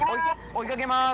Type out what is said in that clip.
追いかけます。